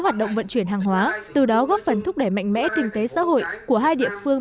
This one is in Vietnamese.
hoạt động vận chuyển hàng hóa từ đó góp phần thúc đẩy mạnh mẽ kinh tế xã hội của hai địa phương